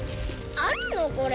あるのこれ？